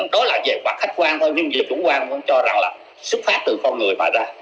đó là về khách quan thôi nhưng về chủ quan tôi cũng cho rằng là xuất phát từ con người mà ra